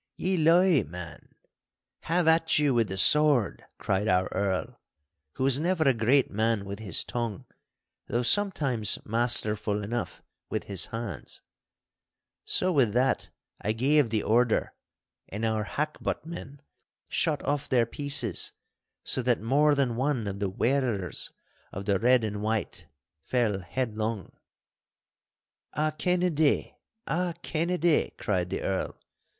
'Ye lie, man! Have at you with the sword!' cried our Earl, who was never a great man with his tongue, though sometimes masterful enough with his hands. So with that I gave the order, and our hackbuttmen shot off their pieces, so that more than one of the wearers of the red and white fell headlong. 'A Kennedy! A Kennedy!' cried the Earl.